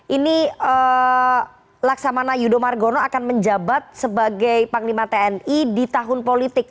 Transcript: ini laksamana yudho margono akan menjabat sebagai panglima tni di tahun politik